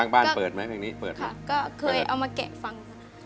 บ้านเปิดไหมเพลงนี้เปิดค่ะก็เคยเอามาแกะฟัง